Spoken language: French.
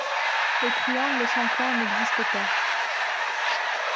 Les triangles sans coin n'existent pas.